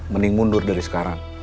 mending mundur dari sekarang